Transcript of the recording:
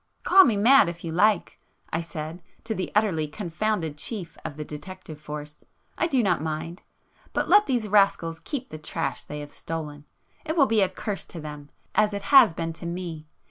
"Call me mad if you like,"—I said to the utterly confounded chief of the detective force—"I do not mind! But let these rascals keep the trash they have stolen. It will be a curse to them, as it has been to me!